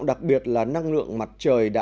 đặc biệt là năng lượng mặt trời